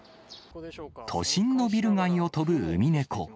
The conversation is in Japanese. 都心のビル街を飛ぶウミネコ。